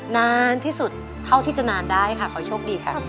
นานที่สุดเท่าที่จะนานได้ค่ะขอโชคดีค่ะ